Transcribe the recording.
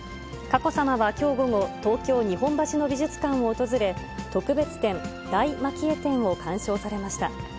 佳子さまはきょう午後、東京・日本橋の美術館を訪れ、特別展、大蒔絵展を鑑賞されました。